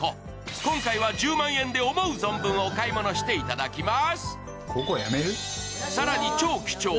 今回は１０万円で思う存分お買い物していただきます。